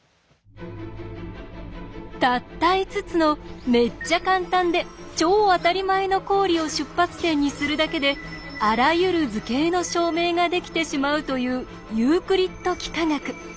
たった５つのめっちゃカンタンで超あたりまえの公理を出発点にするだけであらゆる図形の証明ができてしまうというユークリッド幾何学。